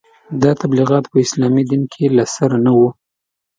دا تبلیغات په اسلامي دین کې له سره نه وو.